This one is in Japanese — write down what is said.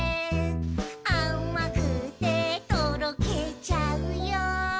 「あまくてとろけちゃうよ」